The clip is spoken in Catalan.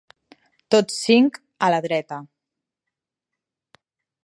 Tots cinc a la dreta.